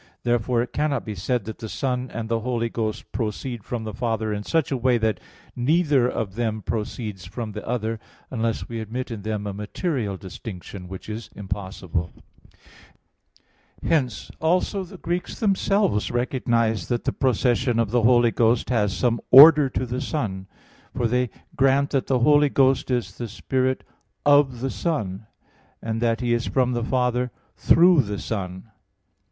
Therefore it cannot be said that the Son and the Holy Ghost proceed from the Father in such a way as that neither of them proceeds from the other, unless we admit in them a material distinction; which is impossible. Hence also the Greeks themselves recognize that the procession of the Holy Ghost has some order to the Son. For they grant that the Holy Ghost is the Spirit "of the Son"; and that He is from the Father "through the Son."